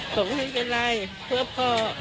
ของให้เวลาไต้ไฟว่าพ่อ